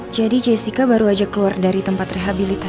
jadi jessica baru aja keluar dari tempat rehabilitasi